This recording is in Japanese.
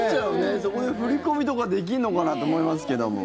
そこで振り込みとかできるのかなって思いますけど。